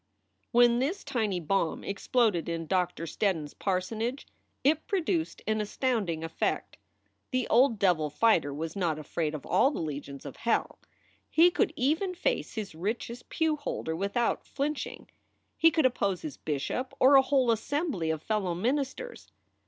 When this tiny bomb exploded in Doctor Steddon s par sonage it produced an astounding effect. The old devil fighter was not afraid of all the legions of hell. He could even face his richest pewholder without flinching; he could oppose his bishop or a whole assembly of fellow ministers.